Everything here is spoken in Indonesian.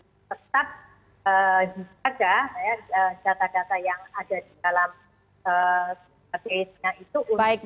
karena sudah ada data data yang ada di dalam bssn itu